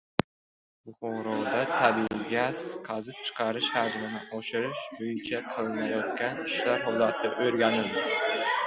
Buxoroda tabiiy gaz qazib chiqarish hajmini oshirish bo‘yicha qilinayotgan ishlar holati o‘rganildi